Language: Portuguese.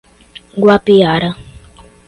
Guapiara